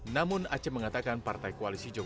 namun aceh mengatakan partai koalisi jokowi